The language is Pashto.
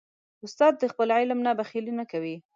استاد د خپل علم نه بخیلي نه کوي.